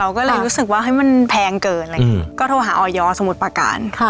เราก็เลยรู้สึกว่ามันแพงเกินอะไรอย่างงี้ก็โทรหาเอ๊ยสมุดประการครับ